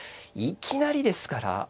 いきなりですね。